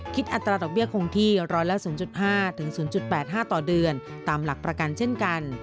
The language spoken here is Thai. อัตราดอกเบี้ยคงที่๑๐๕๐๘๕ต่อเดือนตามหลักประกันเช่นกัน